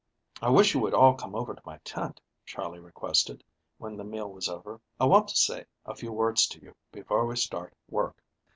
"I wish you would all come over to my tent," Charley requested, when the meal was over. "I want to say a few words to you before we start work."